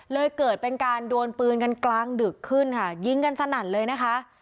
เกิดเป็นการดวนปืนกันกลางดึกขึ้นค่ะยิงกันสนั่นเลยนะคะ